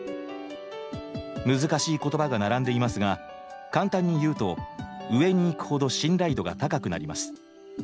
難しい言葉が並んでいますが簡単に言うと上にいくほど信頼度が高くなります。